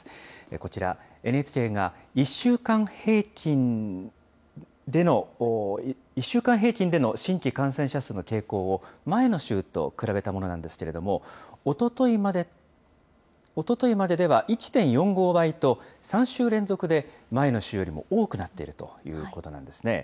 こちら、ＮＨＫが１週間平均での新規感染者数の傾向を前の週と比べたものなんですけれども、おとといまででは１．４５倍と、３週連続で前の週よりも多くなっているということなんですね。